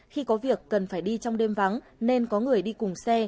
khi có việc cần phải đi trong đêm vắng nên có người đi cùng xe